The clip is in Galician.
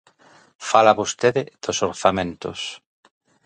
Fala vostede dos orzamentos.